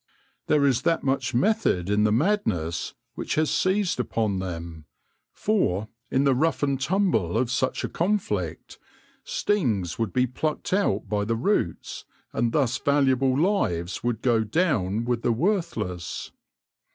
There is that much method in the madness which has seized upon THE DRONE AND HIS STORY 171 them ; for, in the rough and tumble of such a con flict, stings would be plucked out by the roots, and thus valuable lives would go down with the worth less.